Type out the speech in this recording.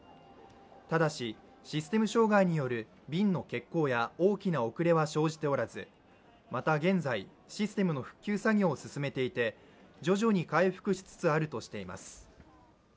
ただし、システム障害による便の欠航や大きな遅れは生じておらずまた、現在システムの復旧作業を進めていて、徐々に回復しつつあるとしています。